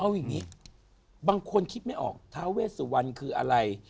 เอาอย่างนี้บางคนคิดไม่ออกท้าเวสวรรณคืออะไร